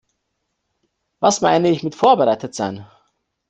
Was meine ich mit "vorbereitet sein"?